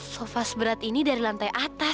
sofa seberat ini dari lantai atas